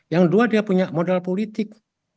yang dua dia punya modal politik